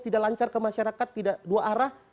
tidak lancar ke masyarakat tidak dua arah